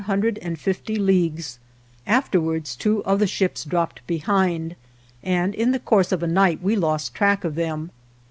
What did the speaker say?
184 ALVAR NUNEZ CABEZA DE VACA and fifty leagues; afterwards two of the ships dropped behind, and in the course of a night we lost track of them*.